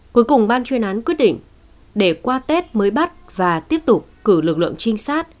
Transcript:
cuối cùng ban chuyên án quyết định để qua tết mới bắt và tiếp tục cử lực lượng trinh sát